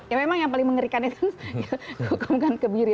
ya memang yang paling mengerikan itu bukan kebiri